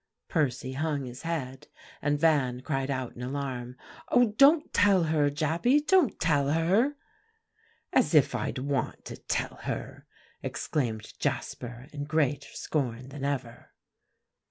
Percy hung his head; and Van cried out in alarm, "Oh, don't tell her, Jappy, don't tell her!" "As if I'd want to tell her," exclaimed Jasper in greater scorn than ever.